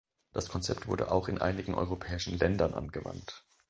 Das Konzept wurde auch in einigen europäischen Ländern angewandt.